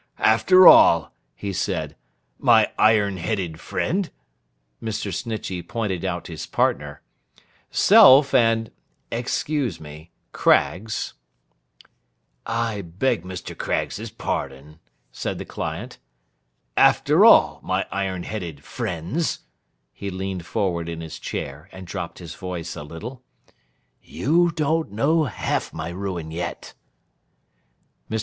'After all,' he said, 'my iron headed friend—' Mr. Snitchey pointed out his partner. 'Self and—excuse me—Craggs.' 'I beg Mr. Craggs's pardon,' said the client. 'After all, my iron headed friends,' he leaned forward in his chair, and dropped his voice a little, 'you don't know half my ruin yet.' Mr.